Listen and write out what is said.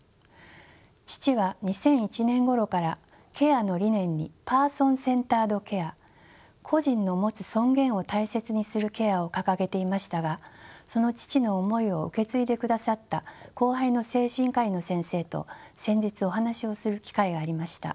父は２００１年ごろからケアの理念にパーソン・センタード・ケア個人の持つ尊厳を大切にするケアを掲げていましたがその父の思いを受け継いでくださった後輩の精神科医の先生と先日お話をする機会がありました。